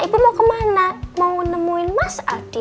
ibu mau kemana mau nemuin mas ardi